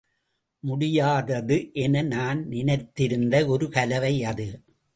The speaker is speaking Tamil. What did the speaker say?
முடியாதது என நான் நினைத்திருந்த ஒரு கலவை அது.